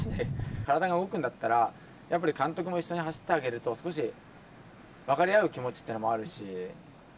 体が動くんだったらやっぱり監督も一緒に走ってあげると、少し、分かり合える気持ちというのもあるし。